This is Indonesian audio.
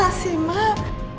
bisa sih mak